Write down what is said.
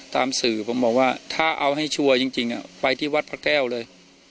ตามสื่อผมบอกว่าถ้าเอาให้ชัวร์จริงไปที่วัดพระแก้วเลย